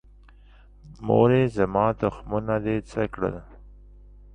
مورې، زما تخمونه دې څه کړل؟